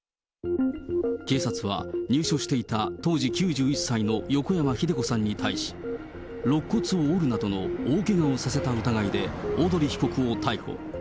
警察は、入所していた当時９１歳の横山秀子さんに対し、ろっ骨を折るなどの大けがをさせた疑いで、小鳥被告を逮捕。